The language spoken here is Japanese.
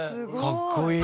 かっこいい！